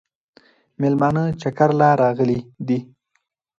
مېلمانه چکر له راغلي دي